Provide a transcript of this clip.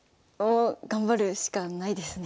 頑張るしかないですね。